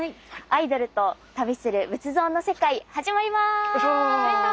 「アイドルと旅する仏像の世界」始まります！